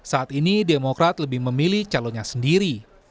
saat ini demokrat lebih memilih calonnya sendiri